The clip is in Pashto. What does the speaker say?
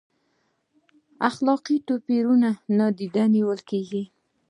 اخلاقي توپیرونه نادیده نیول کیږي؟